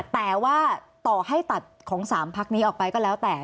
แต่ว่าต่อให้ตัดของ๓พักนี้ออกไปก็แล้วแต่